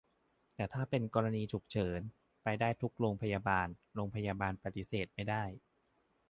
แต่ถ้าเป็นกรณีฉุกเฉิน ไปได้ทุกโรงพยาบาล โรงพยาบาลปฏิเสธไม่ได้